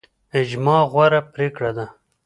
اجماع غوره پریکړه ده